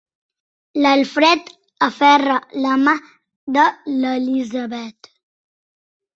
L'Alfred aferra la mà de l'Elisabet.